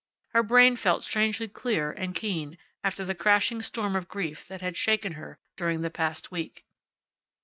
Her brain felt strangely clear and keen after the crashing storm of grief that had shaken her during the past week.